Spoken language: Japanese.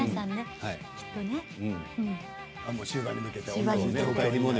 終盤に向けてね。